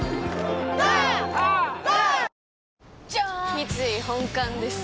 三井本館です！